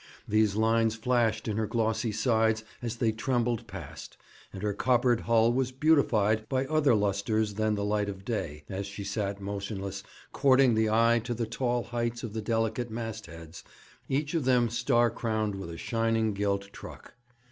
These lines flashed in her glossy sides as they trembled past, and her coppered hull was beautified by other lustres than the light of day, as she sat motionless, courting the eye to the tall heights of the delicate mastheads, each of them star crowned with a shining gilt truck.